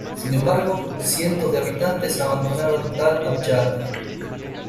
Sin embargo, cientos de habitantes abandonaron Tal Abyad.